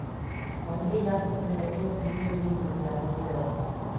— Ондри Япык ден Яким юмын лӱм дене агитироватлат.